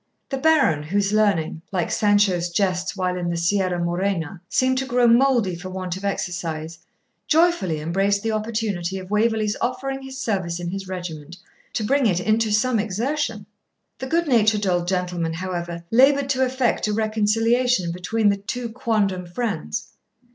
The Baron, whose learning (like Sancho's jests while in the Sierra Morena) seemed to grow mouldy for want of exercise, joyfully embraced the opportunity of Waverley's offering his service in his regiment, to bring it into some exertion. The good natured old gentleman, however, laboured to effect a reconciliation between the two quondam friends.